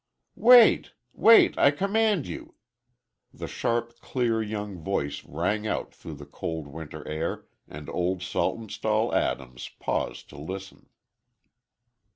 "Wait,—wait! I command you!" The sharp, clear young voice rang out through the cold winter air, and Old Saltonstall Adams paused to listen.